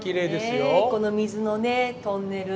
ねこの水のねトンネル。